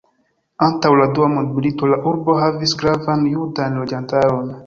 Antaŭ la Dua mondmilito, la urbo havis gravan judan loĝantaron.